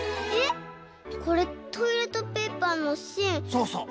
そうそう。